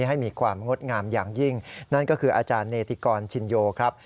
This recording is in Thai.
ให้มีความงดงามอย่างยิ่งนั่นก็คืออาจารย์เนติกรชินโยครับ